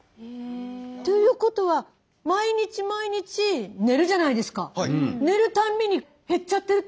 ということは毎日毎日寝るじゃないですか。